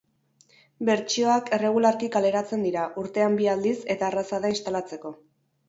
Bertsioak erregularki kaleratzen dira, urtean bi aldiz, eta erraza da instalatzeko.